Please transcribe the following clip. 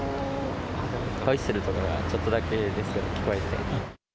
ホイッスルとかがちょっとだけですけど聞こえて。